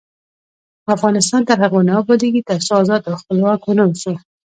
افغانستان تر هغو نه ابادیږي، ترڅو ازاد او خپلواک ونه اوسو.